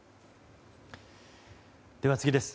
では、次です。